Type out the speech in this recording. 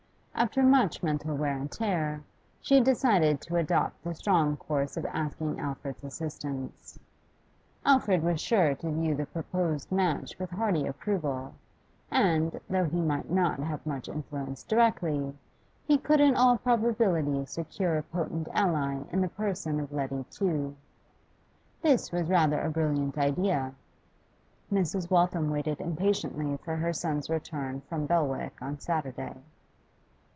After much mental wear and tear, she decided to adopt the strong course of asking Alfred's assistance. Alfred was sure to view the proposed match with hearty approval, and, though he might not have much influence directly, he could in all probability secure a potent ally in the person of Letty Tew. This was rather a brilliant idea; Mrs. Waltham waited impatiently for her son's return from Belwick on Saturday.